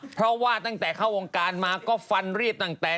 เพราะว่าตั้งแต่เข้าวงการมาก็ฟันรีบตั้งแต่